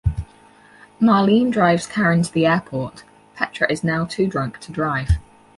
Marlene drives Karin to the airport; Petra is now too drunk to drive.